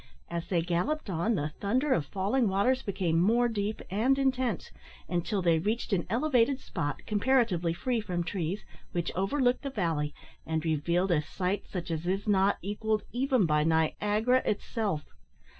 As they galloped on, the thunder of falling waters became more deep and intense, until they reached an elevated spot, comparatively free from trees, which overlooked the valley, and revealed a sight such as is not equalled even by Niagara itself.